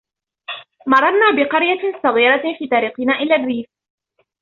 مررنا بقرية صغيرة في طريقنا إلى الريف.